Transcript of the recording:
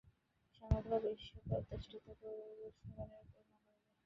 সমগ্র বিশ্ব প্রত্যাদিষ্ট পুরুষগণে পূর্ণ হইবে।